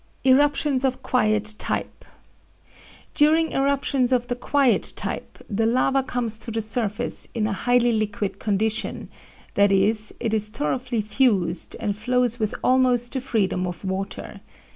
..." ERUPTIONS OF QUIET TYPE "During eruptions of the quiet type, the lava comes to the surface in a highly liquid condition that is, it is thoroughly fused, and flows with almost the freedom of water.